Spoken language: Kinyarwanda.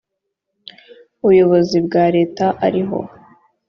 ubuyobozi bwa leta ariho